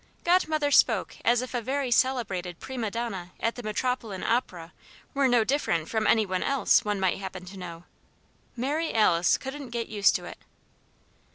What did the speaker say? Godmother spoke as if a very celebrated prima donna at the Metropolitan Opera were no different from any one else one might happen to know. Mary Alice couldn't get used to it.